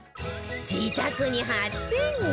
自宅に初潜入